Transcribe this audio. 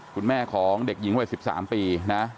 คุณแม่ของเด็กหญิงวัย๑๓ปีนะ